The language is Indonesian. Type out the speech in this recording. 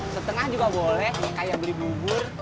setengah juga boleh kaya beli bubur